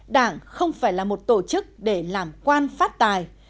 đảng không phải là một tổ chức để làm quan phát tài